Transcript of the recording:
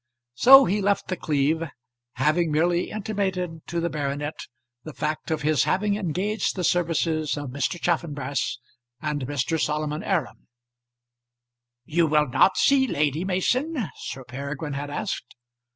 So he left The Cleeve, having merely intimated to the baronet the fact of his having engaged the services of Mr. Chaffanbrass and Mr. Solomon Aram. "You will not see Lady Mason?" Sir Peregrine had asked.